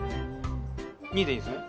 ２でいいんですね？